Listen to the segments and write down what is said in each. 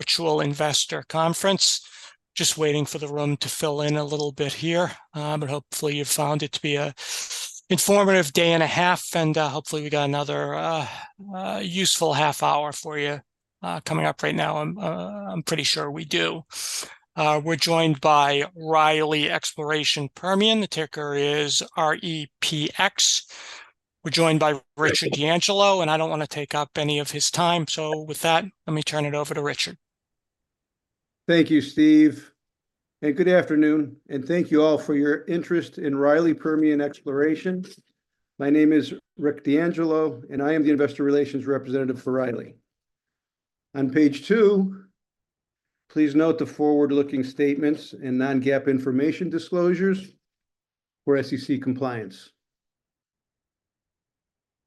Virtual investor conference. Just waiting for the room to fill in a little bit here. But hopefully, you've found it to be a informative day and a half, and hopefully we've got another useful half hour for you coming up right now. I'm pretty sure we do. We're joined by Riley Exploration Permian. The ticker is REPX. We're joined by Richard D'Angelo, and I don't want to take up any of his time. So with that, let me turn it over to Richard. Thank you, Steve, and good afternoon, and thank you all for your interest in Riley Exploration Permian. My name is Rick D'Angelo, and I am the investor relations representative for Riley. On page two, please note the forward-looking statements and non-GAAP information disclosures for SEC compliance.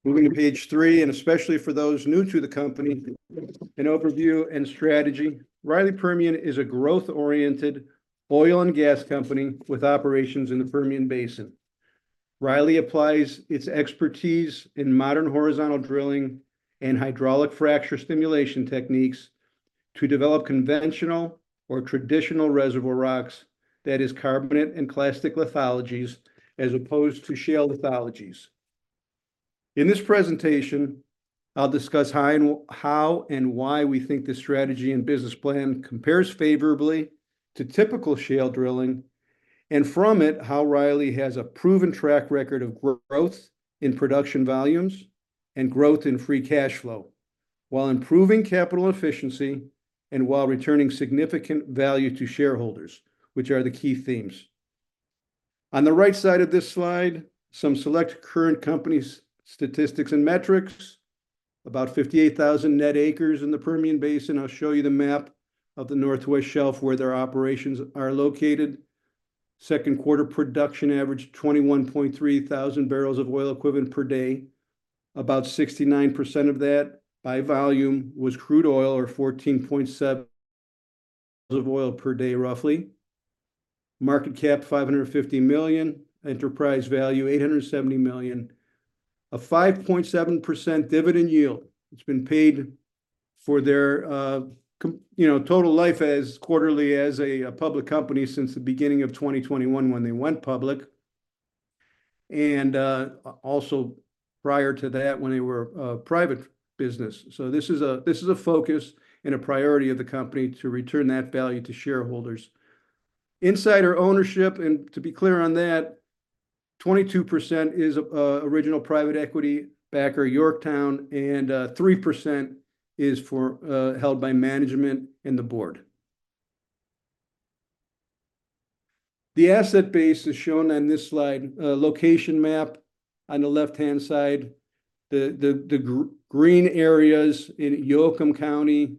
Moving to page three, especially for those new to the company, an overview and strategy. Riley Exploration Permian is a growth-oriented oil and gas company with operations in the Permian Basin. Riley Exploration Permian applies its expertise in modern horizontal drilling and hydraulic fracture stimulation techniques to develop conventional or traditional reservoir rocks, that is, carbonate and clastic lithologies, as opposed to shale lithologies. In this presentation, I'll discuss how and why we think this strategy and business plan compares favorably to typical shale drilling, and from it, how Riley has a proven track record of growth in production volumes and growth in free cash flow, while improving capital efficiency and while returning significant value to shareholders, which are the key themes. On the right side of this slide, some select current company statistics and metrics, about 58,000 net acres in the Permian Basin. I'll show you the map of the Northwest Shelf where their operations are located. Second quarter production averaged 21.3 thousand barrels of oil equivalent per day. About 69% of that by volume was crude oil, or 14.7 of oil per day, roughly. Market cap, $550 million. Enterprise value, $870 million. A 5.7% dividend yield that's been paid for their, you know, total life as quarterly as a public company since the beginning of 2021, when they went public, and, also prior to that, when they were a private business. So this is a, this is a focus and a priority of the company to return that value to shareholders. Insider ownership, and to be clear on that, 22% is, original private equity backer, Yorktown, and, 3% is for, held by management and the board. The asset base is shown on this slide. Location map on the left-hand side. The, the, green areas in Yoakum County,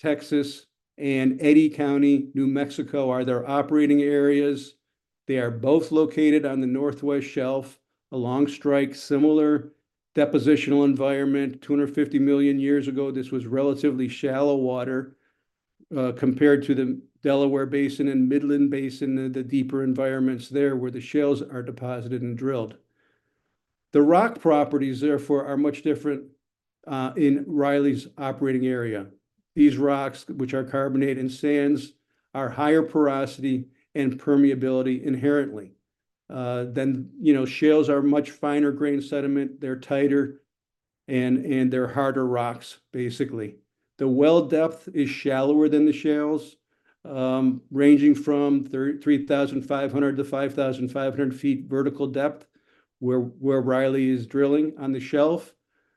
Texas, and Eddy County, New Mexico, are their operating areas. They are both located on the Northwest Shelf, a long strike, similar depositional environment. 250 million years ago, this was relatively shallow water compared to the Delaware Basin and Midland Basin, the deeper environments there, where the shales are deposited and drilled. The rock properties, therefore, are much different in Riley's operating area. These rocks, which are carbonate and sands, are higher porosity and permeability inherently. Then, you know, shales are much finer grain sediment. They're tighter and they're harder rocks, basically. The well depth is shallower than the shales, ranging from 3,500-5,500 feet vertical depth, where Riley is drilling on the shelf,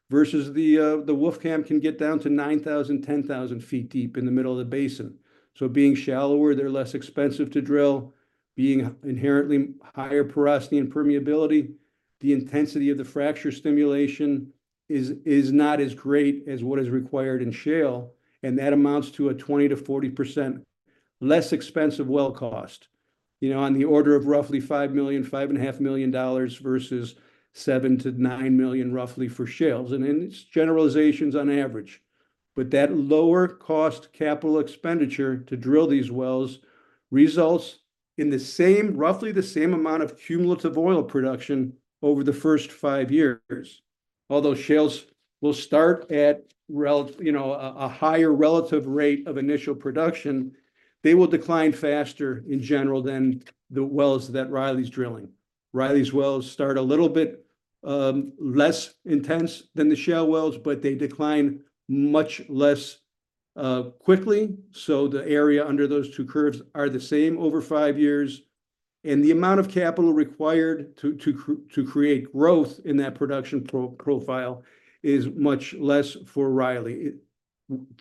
versus the Wolfcamp can get down to 9,000-10,000 feet deep in the middle of the basin. So being shallower, they're less expensive to drill. Being inherently higher porosity and permeability, the intensity of the fracture stimulation is not as great as what is required in shale, and that amounts to a 20%-40% less expensive well cost, you know, on the order of roughly $5 million-$5.5 million versus $7 million-$9 million, roughly, for shales. And it's generalizations on average. But that lower cost capital expenditure to drill these wells results in the same- roughly the same amount of cumulative oil production over the first 5 years. Although shales will start at relative, you know, a higher relative rate of initial production, they will decline faster in general than the wells that Riley's drilling. Riley's wells start a little bit less intense than the shale wells, but they decline much less quickly, so the area under those two curves are the same over 5 years. The amount of capital required to create growth in that production profile is much less for Riley.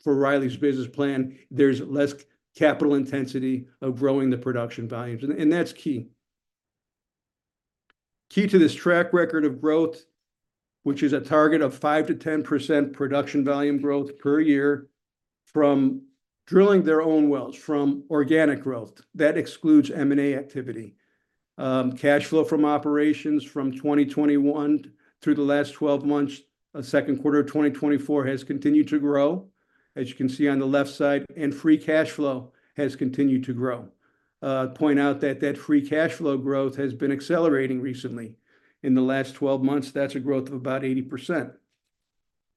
For Riley's business plan, there's less capital intensity of growing the production volumes, and that's key. Key to this track record of growth, which is a target of 5%-10% production volume growth per year from drilling their own wells, from organic growth. That excludes M&A activity. Cash flow from operations from 2021 through the last 12 months, second quarter of 2024, has continued to grow, as you can see on the left side, and free cash flow has continued to grow.... point out that free cash flow growth has been accelerating recently. In the last 12 months, that's a growth of about 80%.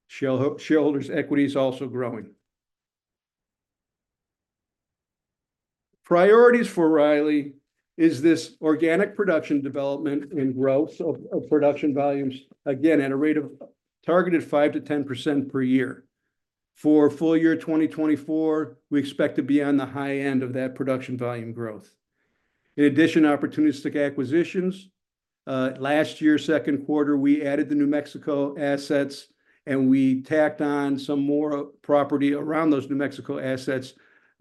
Shareholders' equity is also growing. Priorities for Riley is this organic production development and growth of production volumes, again, at a rate of targeted 5%-10% per year. For full year 2024, we expect to be on the high end of that production volume growth. In addition, opportunistic acquisitions. Last year, second quarter, we added the New Mexico assets, and we tacked on some more property around those New Mexico assets,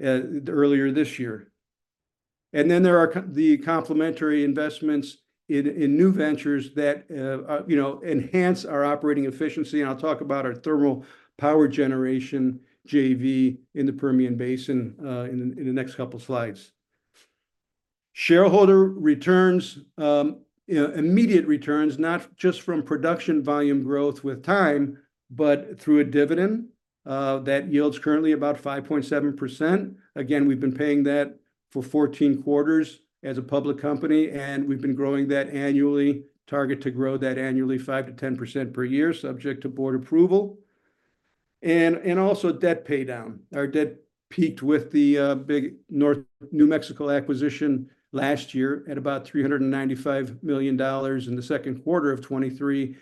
earlier this year. And then there are the complementary investments in new ventures that you know, enhance our operating efficiency, and I'll talk about our thermal power generation JV in the Permian Basin, in the next couple slides. Shareholder returns, you know, immediate returns, not just from production volume growth with time, but through a dividend that yields currently about 5.7%. Again, we've been paying that for 14 quarters as a public company, and we've been growing that annually. Target to grow that annually 5%-10% per year, subject to board approval. And also debt paydown. Our debt peaked with the big New Mexico acquisition last year at about $395 million in the second quarter of 2023.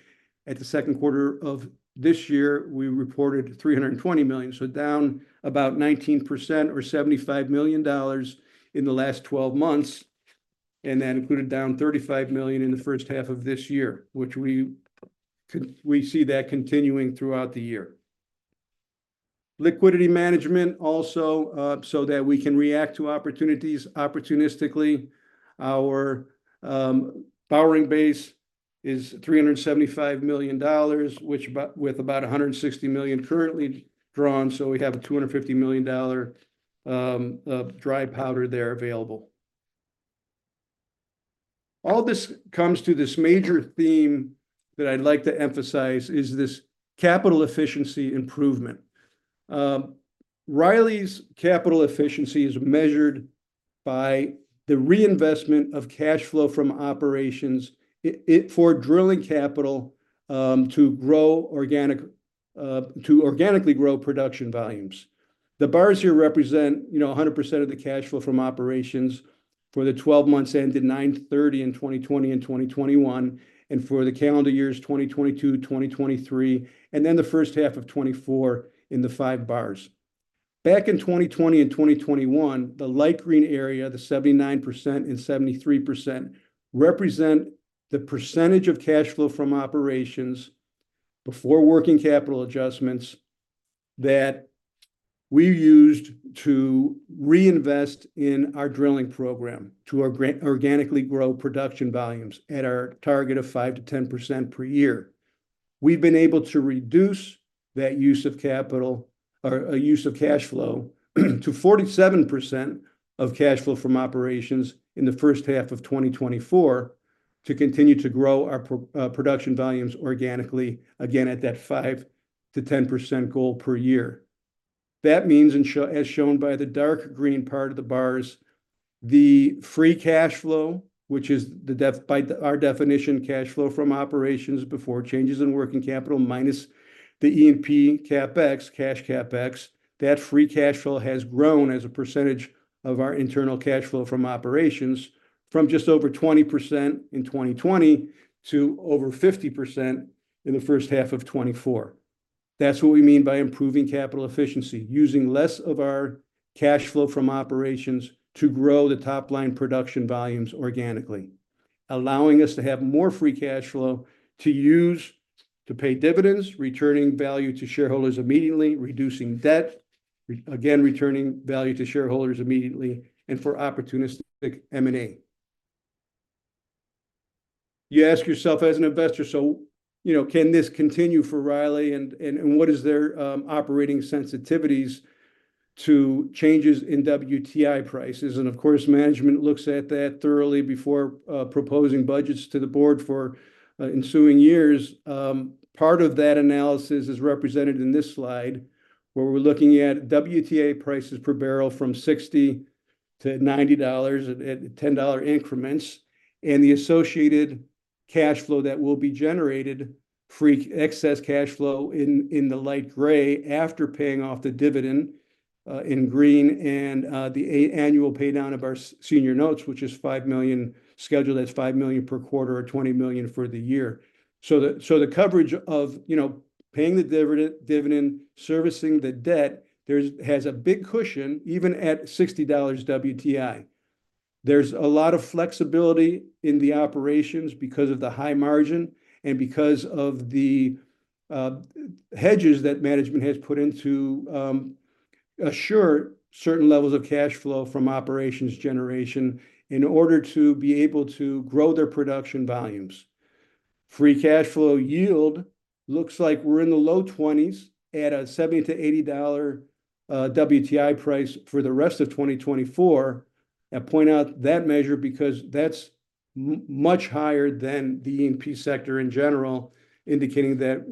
At the second quarter of this year, we reported $320 million, so down about 19% or $75 million in the last twelve months, and that included down $35 million in the first half of this year, which we see that continuing throughout the year. Liquidity management also, so that we can react to opportunities opportunistically. Our borrowing base is $375 million, which about, with about $160 million currently drawn, so we have a $250 million of dry powder there available. All this comes to this major theme that I'd like to emphasize, is this capital efficiency improvement. Riley's capital efficiency is measured by the reinvestment of cash flow from operations for drilling capital to organically grow production volumes. The bars here represent, you know, 100% of the cash flow from operations for the twelve months ended 9/30/2020 and 2021, and for the calendar years 2022, 2023, and then the first half of 2024 in the five bars. Back in 2020 and 2021, the light green area, the 79% and 73%, represent the percentage of cash flow from operations before working capital adjustments that we used to reinvest in our drilling program to organically grow production volumes at our target of 5%-10% per year. We've been able to reduce that use of capital, or, use of cash flow, to 47% of cash flow from operations in the first half of 2024, to continue to grow our production volumes organically, again, at that 5%-10% goal per year. That means, as shown by the dark green part of the bars, the free cash flow, which is the def... By our definition, cash flow from operations before changes in working capital, minus the E&P CapEx, cash CapEx, that free cash flow has grown as a percentage of our internal cash flow from operations from just over 20% in 2020 to over 50% in the first half of 2024. That's what we mean by improving capital efficiency, using less of our cash flow from operations to grow the top-line production volumes organically, allowing us to have more free cash flow to use to pay dividends, returning value to shareholders immediately, reducing debt, re- again, returning value to shareholders immediately, and for opportunistic M&A. You ask yourself as an investor, "So, you know, can this continue for Riley, and what is their operating sensitivities to changes in WTI prices?" And of course, management looks at that thoroughly before proposing budgets to the board for ensuing years. Part of that analysis is represented in this slide, where we're looking at WTI prices per barrel from $60-$90 at $10 increments, and the associated cash flow that will be generated, free excess cash flow in the light gray, after paying off the dividend in green, and the annual paydown of our senior notes, which is $5 million, scheduled as $5 million per quarter or $20 million for the year. So the coverage of, you know, paying the dividend, servicing the debt, there's a big cushion, even at $60 WTI. There's a lot of flexibility in the operations because of the high margin and because of the hedges that management has put in to assure certain levels of cash flow from operations generation in order to be able to grow their production volumes. Free cash flow yield looks like we're in the low 20s% at a $70-$80 WTI price for the rest of 2024. I point out that measure because that's much higher than the E&P sector in general, indicating that,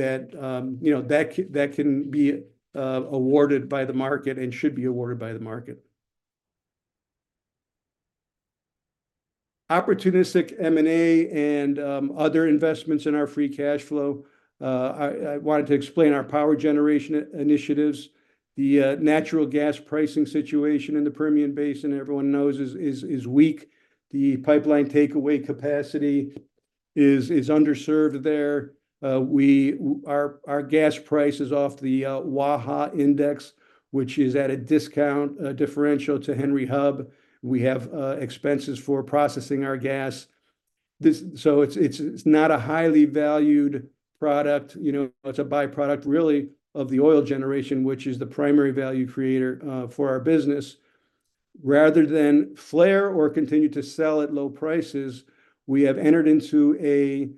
you know, that can be awarded by the market and should be awarded by the market. Opportunistic M&A and other investments in our free cash flow. I wanted to explain our power generation initiatives. The natural gas pricing situation in the Permian Basin, everyone knows, is weak. The pipeline takeaway capacity is underserved there. Our gas price is off the Waha Index, which is at a discount differential to Henry Hub. We have expenses for processing our gas. So it's not a highly valued product, you know, it's a by-product, really, of the oil generation, which is the primary value creator for our business. Rather than flare or continue to sell at low prices, we have entered into an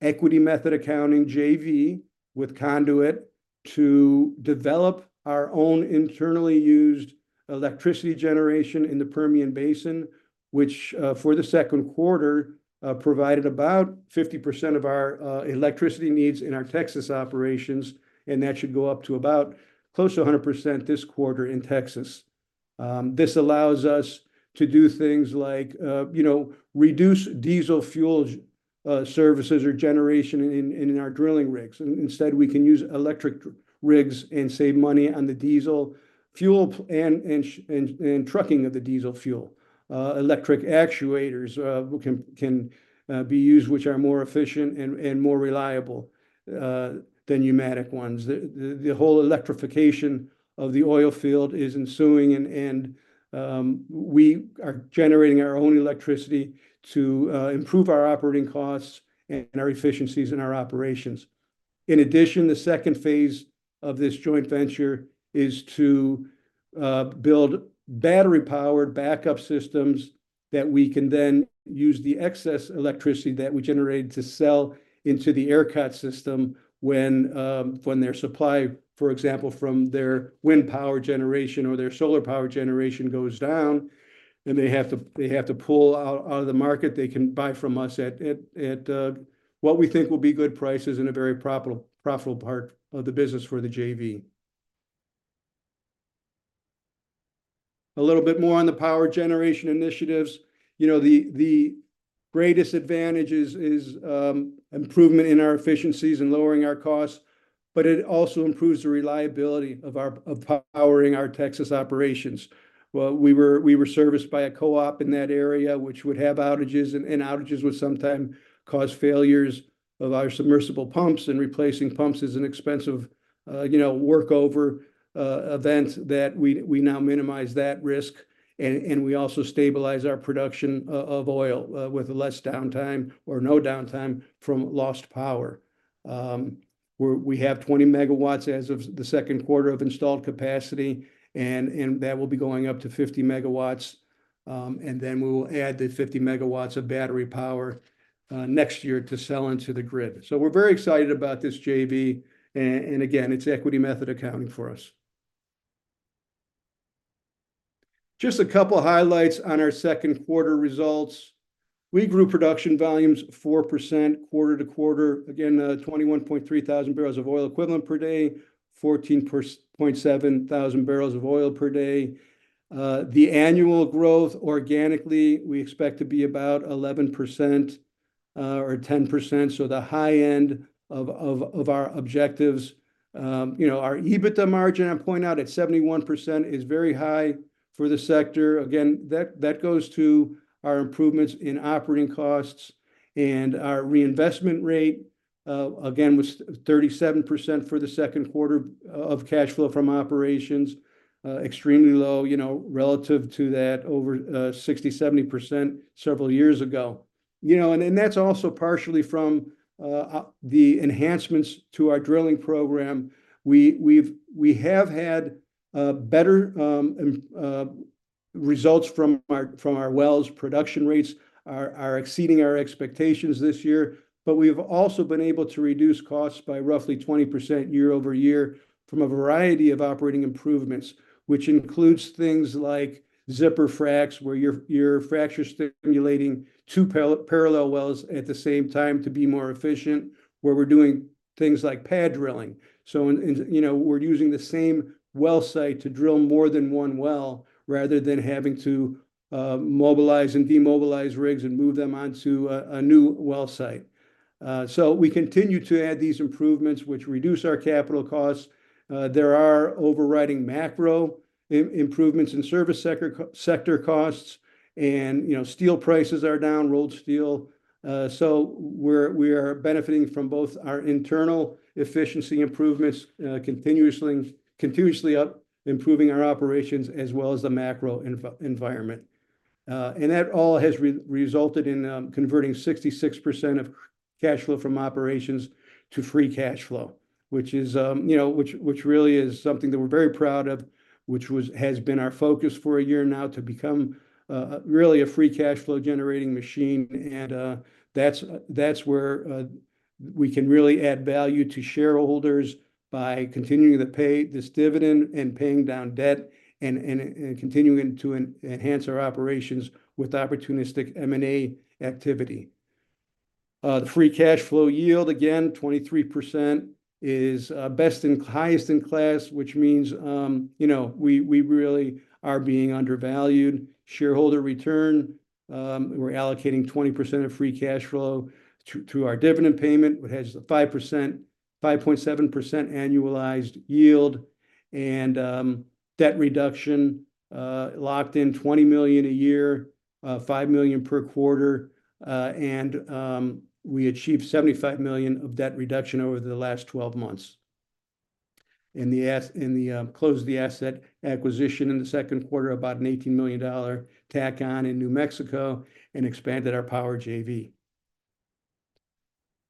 equity method accounting JV with Conduit to develop our own internally used electricity generation in the Permian Basin, which, for the second quarter, provided about 50% of our electricity needs in our Texas operations, and that should go up to about close to 100% this quarter in Texas. This allows us to do things like, you know, reduce diesel fuel services or generation in our drilling rigs. Instead, we can use electric rigs and save money on the diesel fuel and trucking of the diesel fuel. Electric actuators can be used, which are more efficient and more reliable than pneumatic ones. The whole electrification of the oil field is ensuing, and we are generating our own electricity to improve our operating costs and our efficiencies in our operations. In addition, the second phase of this joint venture is to build battery-powered backup systems that we can then use the excess electricity that we generate to sell into the ERCOT system when their supply, for example, from their wind power generation or their solar power generation goes down, and they have to pull out of the market, they can buy from us at what we think will be good prices and a very profitable part of the business for the JV. A little bit more on the power generation initiatives. You know, the greatest advantage is improvement in our efficiencies and lowering our costs, but it also improves the reliability of powering our Texas operations. Well, we were serviced by a co-op in that area, which would have outages, and outages would sometimes cause failures of our submersible pumps, and replacing pumps is an expensive, you know, workover event that we now minimize that risk, and we also stabilize our production of oil with less downtime or no downtime from lost power. We have 20 MW as of the second quarter of installed capacity, and that will be going up to 50 MW, and then we will add the 50 MW of battery power next year to sell into the grid. So we're very excited about this JV, and again, it's equity method accounting for us. Just a couple highlights on our second quarter results. We grew production volumes 4% quarter-over-quarter. Again, 21.3 thousand barrels of oil equivalent per day, 14.7 thousand barrels of oil per day. The annual growth organically, we expect to be about 11% or 10%, so the high end of our objectives. You know, our EBITDA margin, I point out, at 71% is very high for the sector. Again, that goes to our improvements in operating costs, and our reinvestment rate again was 37% for the second quarter of cash flow from operations. Extremely low, you know, relative to that over 60, 70% several years ago. You know, and that's also partially from the enhancements to our drilling program. We have had better results from our wells. Production rates are exceeding our expectations this year, but we've also been able to reduce costs by roughly 20% year-over-year from a variety of operating improvements, which includes things like zipper fracs, where you're fracture stimulating two parallel wells at the same time to be more efficient. Where we're doing things like pad drilling, and you know, we're using the same well site to drill more than one well, rather than having to mobilize and demobilize rigs and move them onto a new well site. So we continue to add these improvements, which reduce our capital costs. There are overriding macro improvements in service sector costs, and, you know, steel prices are down, rolled steel. So we are benefiting from both our internal efficiency improvements, continuously improving our operations, as well as the macro environment. And that all has resulted in converting 66% of cash flow from operations to free cash flow, which is, you know, which really is something that we're very proud of, which has been our focus for a year now, to become really a free cash flow generating machine, and that's where we can really add value to shareholders by continuing to pay this dividend and paying down debt, and continuing to enhance our operations with opportunistic M&A activity. The free cash flow yield, again, 23% is best in, highest in class, which means, you know, we really are being undervalued. Shareholder return, we're allocating 20% of free cash flow through our dividend payment, which has a 5%, 5.7% annualized yield. Debt reduction, locked in $20 million a year, $5 million per quarter. We achieved $75 million of debt reduction over the last 12 months. Closed the asset acquisition in the second quarter, about an $18 million tack on in New Mexico, and expanded our power JV.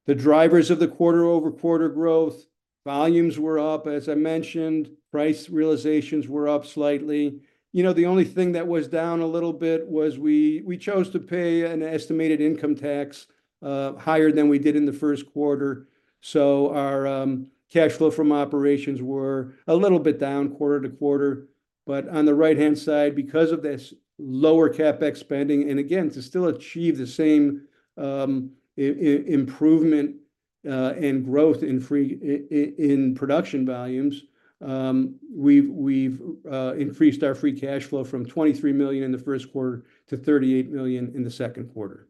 The drivers of the quarter-over-quarter growth, volumes were up. As I mentioned, price realizations were up slightly. You know, the only thing that was down a little bit was we chose to pay an estimated income tax higher than we did in the first quarter, so our cash flow from operations were a little bit down quarter-over-quarter. But on the right-hand side, because of this lower CapEx spending, and again, to still achieve the same improvement and growth in production volumes, we've increased our free cash flow from $23 million in the first quarter to $38 million in the second quarter.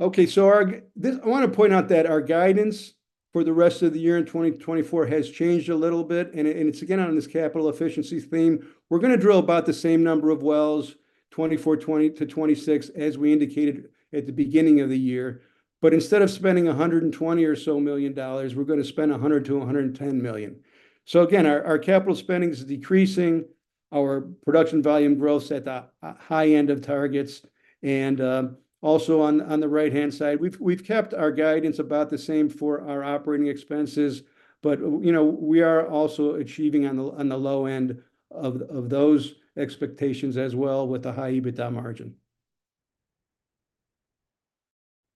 Okay, so this... I wanna point out that our guidance for the rest of the year in 2024 has changed a little bit, and it's again, on this capital efficiency theme. We're gonna drill about the same number of wells, 24, 20-26, as we indicated at the beginning of the year. But instead of spending $120 million or so, we're gonna spend $100 million-$110 million. So again, our capital spending is decreasing. Our production volume growth's at the high end of targets. And also on the right-hand side, we've kept our guidance about the same for our operating expenses, but you know, we are also achieving on the low end of those expectations as well, with a high EBITDA margin.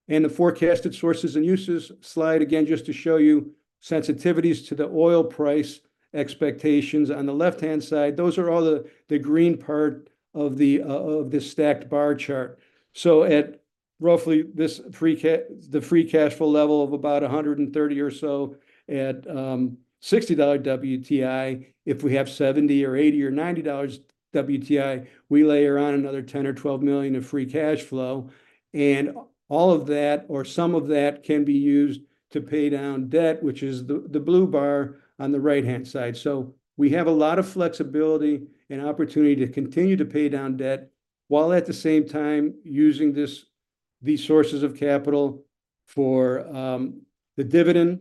And the forecasted sources and uses slide, again, just to show you sensitivities to the oil price expectations. On the left-hand side, those are all the green part of this stacked bar chart. So at roughly this free cash flow level of about 130 or so at $60 WTI, if we have $70 or $80 or $90 WTI, we layer on another $10 million or $12 million of free cash flow. And all of that, or some of that, can be used to pay down debt, which is the blue bar on the right-hand side. So we have a lot of flexibility and opportunity to continue to pay down debt, while at the same time using these sources of capital for the dividend,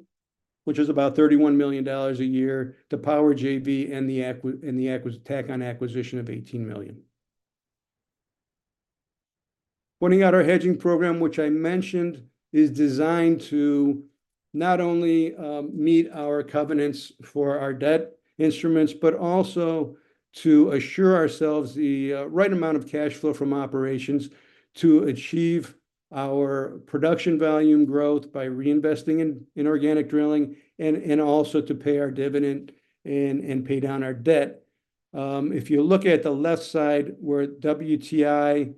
which is about $31 million a year, the power JV and the tack-on acquisition of $18 million. Pointing out our hedging program, which I mentioned, is designed to not only meet our covenants for our debt instruments, but also to assure ourselves the right amount of cash flow from operations to achieve our production volume growth by reinvesting in organic drilling, and also to pay our dividend and pay down our debt. If you look at the left side, where WTI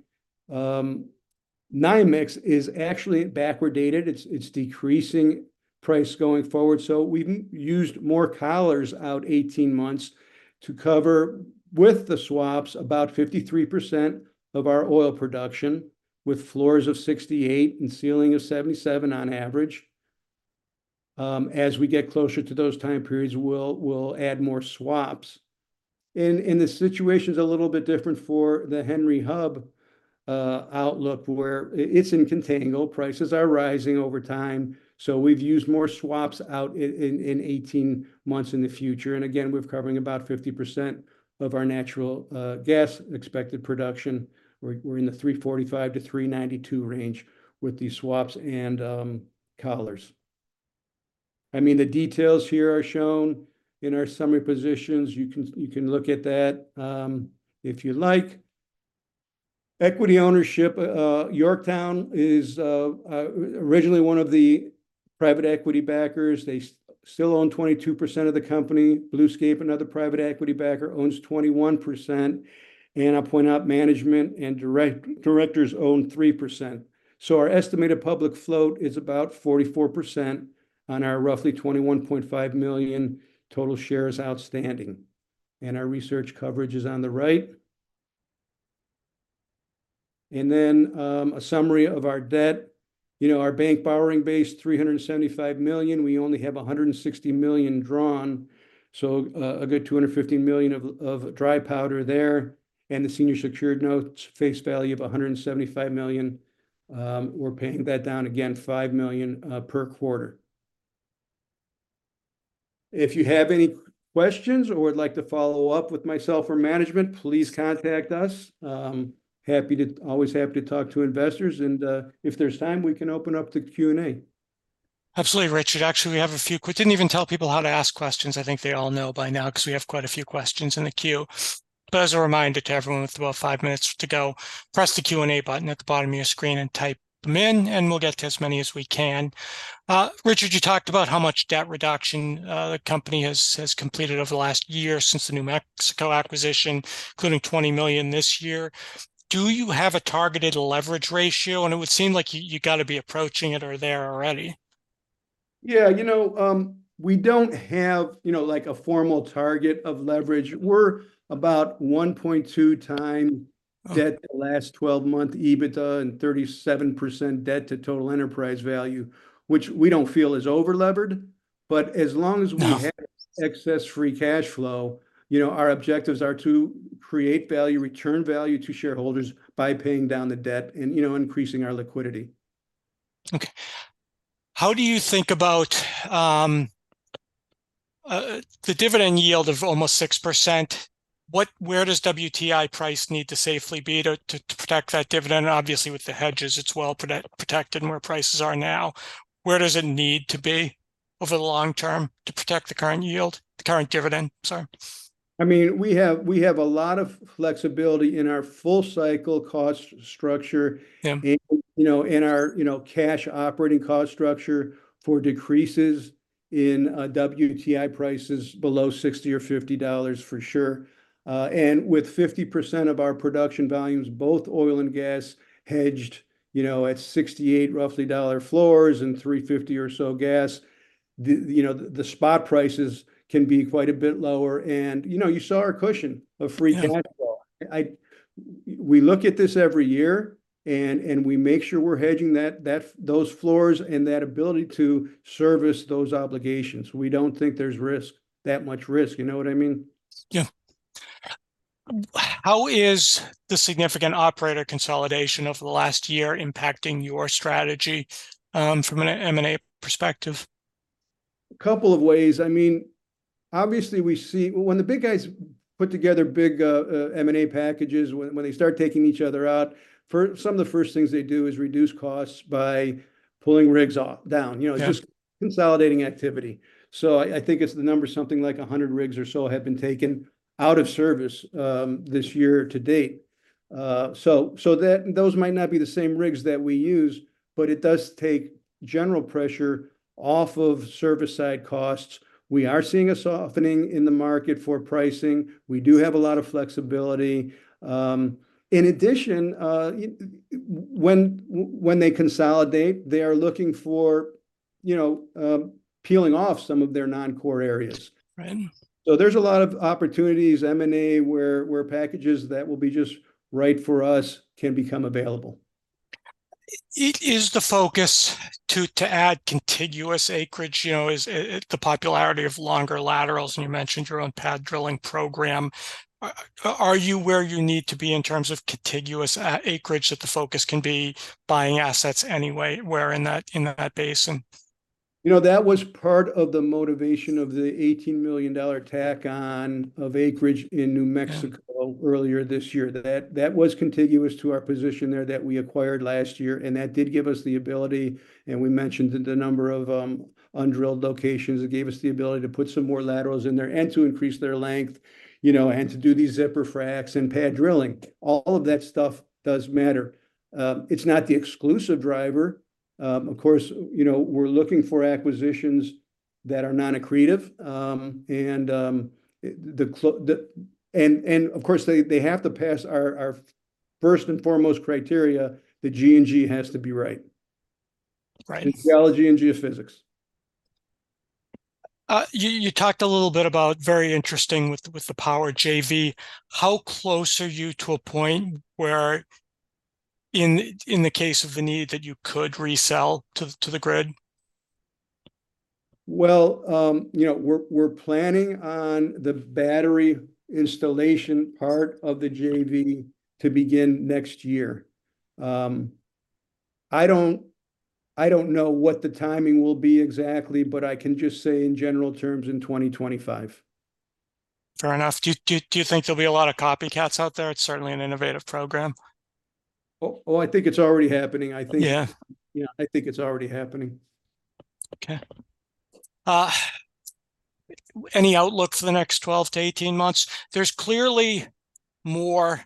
NYMEX is actually backwardated, it's decreasing price going forward. So we've used more collars out 18 months to cover, with the swaps, about 53% of our oil production, with floors of 68 and ceiling of 77 on average. As we get closer to those time periods, we'll add more swaps. And the situation's a little bit different for the Henry Hub outlook, where it's in contango, prices are rising over time, so we've used more swaps out in 18 months in the future. And again, we're covering about 50% of our natural gas expected production. We're in the $3.45-$3.92 range with these swaps and collars. I mean, the details here are shown in our summary positions. You can look at that, if you'd like. Equity ownership, Yorktown is originally one of the private equity backers. They still own 22% of the company. Bluescape, another private equity backer, owns 21%, and I point out, management and directors own 3%. So our estimated public float is about 44% on our roughly 21.5 million total shares outstanding, and our research coverage is on the right. Then, a summary of our debt. You know, our bank borrowing base, $375 million. We only have $160 million drawn, so, a good $250 million of dry powder there. And the senior secured notes, face value of $175 million. We're paying that down, again, $5 million per quarter. If you have any questions or would like to follow up with myself or management, please contact us. Happy to... Always happy to talk to investors, and, if there's time, we can open up to Q&A.... Absolutely, Richard. Actually, we have a few questions. I didn't even tell people how to ask questions. I think they all know by now, 'cause we have quite a few questions in the queue. But as a reminder to everyone with about five minutes to go, press the Q&A button at the bottom of your screen and type them in, and we'll get to as many as we can. Richard, you talked about how much debt reduction the company has completed over the last year since the New Mexico acquisition, including $20 million this year. Do you have a targeted leverage ratio? And it would seem like you gotta be approaching it or there already. Yeah, you know, we don't have, you know, like, a formal target of leverage. We're about 1.2 time debt- Oh... the last 12-month EBITDA and 37% debt to total enterprise value, which we don't feel is over-levered. But as long as- No... we have excess free cash flow, you know, our objectives are to create value, return value to shareholders by paying down the debt and, you know, increasing our liquidity. Okay. How do you think about the dividend yield of almost 6%? Where does WTI price need to safely be to protect that dividend? Obviously, with the hedges, it's well protected and where prices are now. Where does it need to be over the long term to protect the current yield? The current dividend, sorry. I mean, we have, we have a lot of flexibility in our full-cycle cost structure- Yeah... and, you know, in our, you know, cash operating cost structure for decreases in WTI prices below $60 or $50 for sure. And with 50% of our production volumes, both oil and gas, hedged, you know, at $68, roughly, dollar floors and $3.50 or so gas, the, you know, the spot prices can be quite a bit lower. And, you know, you saw our cushion of free cash flow. Yeah. We look at this every year, and we make sure we're hedging that, those floors and that ability to service those obligations. We don't think there's risk, that much risk, you know what I mean? Yeah. How is the significant operator consolidation over the last year impacting your strategy, from an M&A perspective? Couple of ways. I mean, obviously we see... When the big guys put together big M&A packages, when they start taking each other out, some of the first things they do is reduce costs by pulling rigs down. Yeah. You know, just consolidating activity. So I think it's the number something like 100 rigs or so have been taken out of service, this year to date. So those might not be the same rigs that we use, but it does take general pressure off of service side costs. We are seeing a softening in the market for pricing. We do have a lot of flexibility. In addition, when they consolidate, they are looking for, you know, peeling off some of their non-core areas. Right. There's a lot of opportunities, M&A, where packages that will be just right for us can become available. Is the focus to add contiguous acreage, you know, the popularity of longer laterals, and you mentioned your own pad drilling program. Are you where you need to be in terms of contiguous acreage, that the focus can be buying assets anyway, where in that basin? You know, that was part of the motivation of the $18 million tack on of acreage in New Mexico- Yeah... earlier this year. That, that was contiguous to our position there that we acquired last year, and that did give us the ability, and we mentioned the number of undrilled locations. It gave us the ability to put some more laterals in there and to increase their length, you know, and to do these zipper fracs and pad drilling. All of that stuff does matter. It's not the exclusive driver. Of course, you know, we're looking for acquisitions that are non-accretive. And, and of course, they, they have to pass our, our first and foremost criteria, the G&G has to be right. Right. Geology and geophysics. You talked a little bit about, very interesting, with the power JV. How close are you to a point where, in the case of the need, that you could resell to the grid? Well, you know, we're planning on the battery installation part of the JV to begin next year. I don't know what the timing will be exactly, but I can just say in general terms, in 2025. Fair enough. Do you think there'll be a lot of copycats out there? It's certainly an innovative program. Oh, oh, I think it's already happening. I think- Yeah... Yeah, I think it's already happening. Okay. Any outlook for the next 12-18 months? There's clearly more...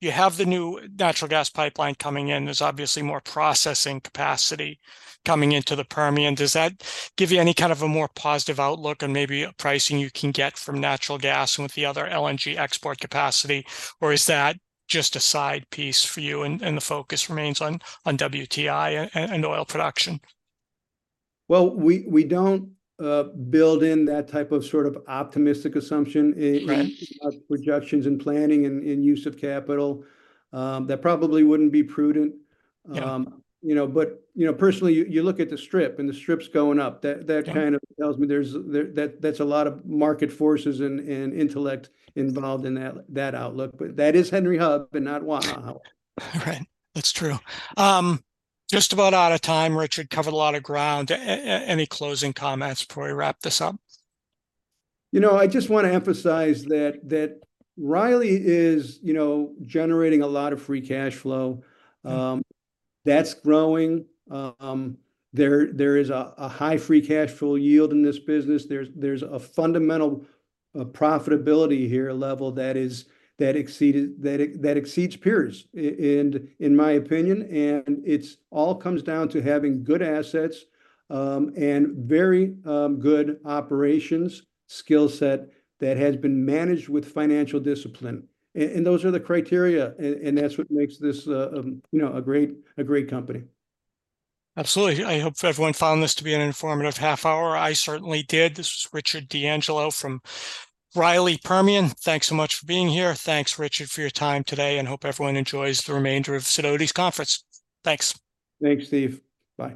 You have the new natural gas pipeline coming in. There's obviously more processing capacity coming into the Permian. Does that give you any kind of a more positive outlook on maybe pricing you can get from natural gas and with the other LNG export capacity? Or is that just a side piece for you, and, and the focus remains on, on WTI and, and oil production? Well, we don't build in that type of sort of optimistic assumption in- Right... our projections and planning and, and use of capital. That probably wouldn't be prudent. Yeah. You know, but you know, personally, you look at the strip, and the strip's going up. Yeah. That kind of tells me there's a lot of market forces and intellect involved in that outlook. But that is Henry Hub and not Waha. Right, that's true. Just about out of time, Richard. Covered a lot of ground. Any closing comments before we wrap this up? You know, I just wanna emphasize that, that Riley is, you know, generating a lot of free cash flow. Yeah. That's growing. There is a high free cash flow yield in this business. There's a fundamental profitability here, a level that exceeds peers, and in my opinion, and it's all comes down to having good assets, and very good operations skill set that has been managed with financial discipline. Those are the criteria, and that's what makes this, you know, a great company. Absolutely. I hope everyone found this to be an informative half hour. I certainly did. This is Richard D'Angelo from Riley Permian. Thanks so much for being here. Thanks, Richard, for your time today, and hope everyone enjoys the remainder of Sidoti's conference. Thanks. Thanks, Steve. Bye.